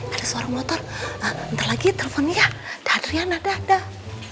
ada suara motor ntar lagi telfon ya dari riana dah dah